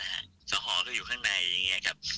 หอก็อยู่ข้างในอย่างนี้ครับ